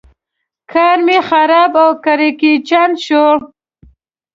کار مې خراب او کړکېچن شو.